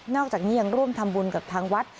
อกจากนี้ยังร่วมทำบุญกับทางวัด